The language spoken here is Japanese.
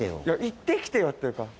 行って来てよっていうか。